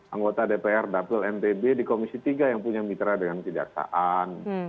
anggota dpr dapil ntb di komisi tiga yang punya mitra dengan kejaksaan